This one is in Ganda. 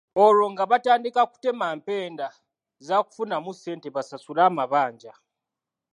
Olwo nga batandika kutema mpenda za kufunamu ssente basasule amabanja.